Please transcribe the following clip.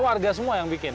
warga semua yang bikin